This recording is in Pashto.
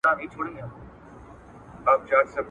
نور پر دوی وه قرآنونه قسمونه ..